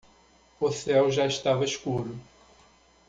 O céu já estava escuro.